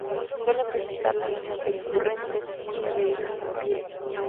Suelen presentar láminas decurrentes, muy adheridas al pie.